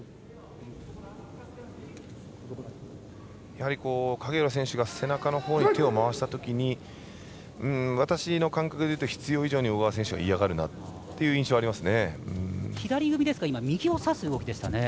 やはり影浦選手が背中のほうに手を回したときに私の感覚でいうと必要以上に小川選手が嫌がるなっていう印象があります。